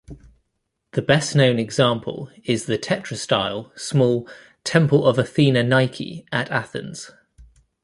The best-known example is the tetrastyle small Temple of Athena Nike at Athens.